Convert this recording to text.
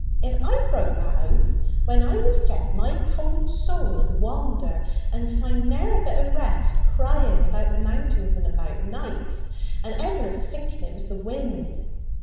If I broke that oath, when I was jead, my cold soul 'ud wander and find ne'er a bit of rest, crying about the Mountains and about, nights, and Ed'ard thinking it was the wind.